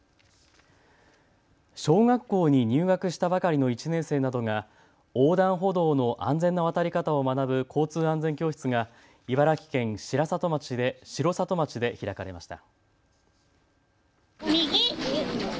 小学校に入学したばかりの１年生などが横断歩道の安全な渡り方を学ぶ交通安全教室が茨城県城里町で開かれました。